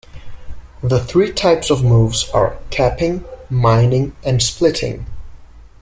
The three types of moves are capping, mining, and splitting.